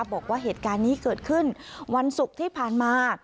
บอกว่าเหตุการณ์นี้เกิดขึ้นวันศุกร์ที่ผ่านมา